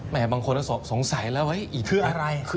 แม้บางคนสงสัยแล้วว่าคืออะไร